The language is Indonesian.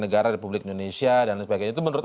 negara republik indonesia dan sebagainya itu menurut